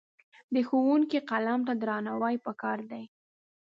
د ښوونکي قلم ته درناوی پکار دی.